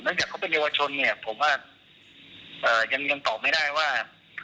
จากเขาเป็นเยาวชนเนี่ยผมว่ายังตอบไม่ได้ว่า